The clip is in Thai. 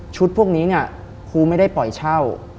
ชุดพวกนี้ครูไม่ได้ปล่อยเช่า